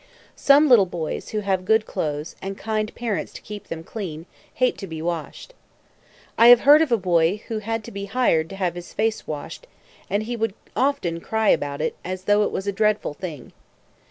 Some little boys who have good clothes, and kind parents to keep them clean, hate to be washed. I have heard of a boy who had to be hired to have his face washed, and he would often cry about it, as though it was a dreadful thing.